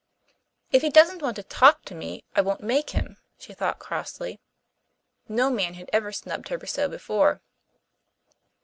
"If he doesn't want to talk to me I won't try to make him," she thought crossly. No man had ever snubbed her so before.